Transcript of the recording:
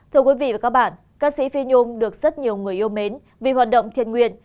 thưa quý vị và các bạn ca sĩ phi nhung được rất nhiều người yêu mến vì hoạt động thiện nguyện